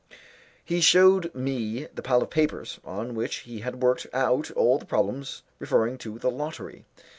He shewed me the pile of papers, on which he had worked out all the problems referring to the lottery.